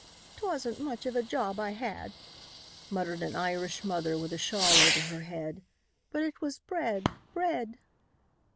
"T'wasn't much of a job I had," muttered an Irish mother with a shawl over her head, "but it was bread! Bread!"